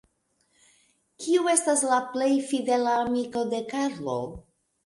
Kiu estis la plej fidela amiko de Karlo?